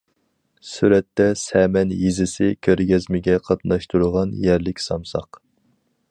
سۈرەتتە: سەمەن يېزىسى كۆرگەزمىگە قاتناشتۇرغان يەرلىك سامساق.